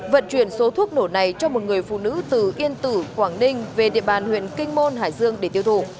vận chuyển số thuốc nổ này cho một người phụ nữ từ yên tử quảng ninh về địa bàn huyện kinh môn hải dương để tiêu thụ